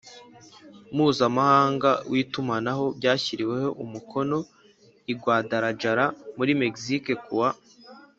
Mpuzamahanga w itumanaho byashyiriweho umukono i guadalajara muri mexique kuwa